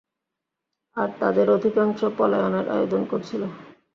আর তাদের অধিকাংশ পলায়নের আয়োজন করছিল।